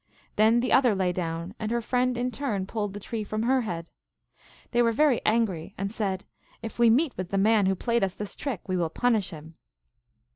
Then the other lay down, and her friend in turn pulled the tree from her head. They were very an gry, and said, " If we meet with the man who played us this trick we will punish him."